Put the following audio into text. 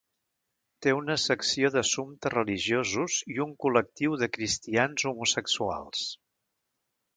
Té una secció d'assumptes religiosos i un col·lectiu de cristians homosexuals.